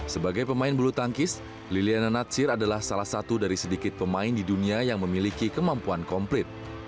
sebagai pemain bulu tangkis liliana natsir adalah salah satu dari sedikit pemain di dunia yang memiliki kemampuan komplit